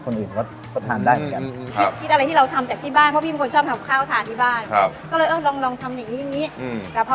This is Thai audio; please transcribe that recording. กลุ่มครองอีก